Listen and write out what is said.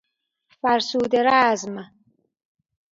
فرسوده رزم